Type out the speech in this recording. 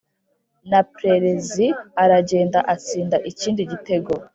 Na prerezi aragenda atsinda ikindi gitego